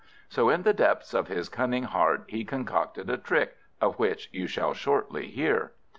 So in the depths of his cunning heart he concocted a trick, of which you shall shortly hear.